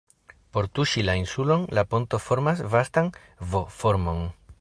Por tuŝi la insulon la ponto formas vastan V-formon.